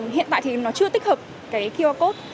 hiện tại thì nó chưa tích hợp cái qr code